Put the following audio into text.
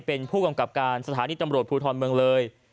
เป็นผู้กำกับการสถานีตำรวจภูทรเมืองเลย